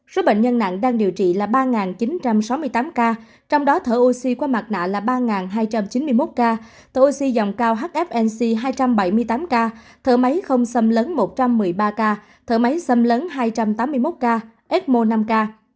số bệnh nhân nặng đang điều trị là ba chín trăm sáu mươi tám ca trong đó thở oxy qua mặt nạ là ba hai trăm chín mươi một ca tổ oxy dòng cao hfnc hai trăm bảy mươi tám ca thở máy không xâm lấn một trăm một mươi ba ca thở máy xâm lấn hai trăm tám mươi một ca epmo năm k